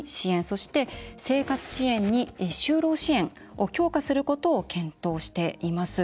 そして、生活支援に就労支援を強化することを検討しています。